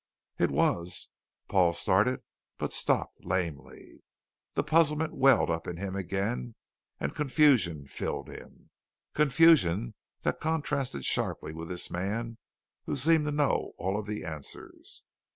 "It was " Paul started, but stopped lamely. The puzzlement welled up in him again and confusion filled him; confusion that contrasted sharply with this man who seemed to know all of the answers.